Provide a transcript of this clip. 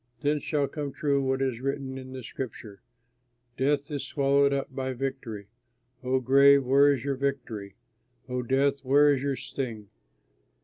Then shall come true what is written in Scripture "Death is swallowed up by victory. O grave, where is your victory? O death, where is your sting?"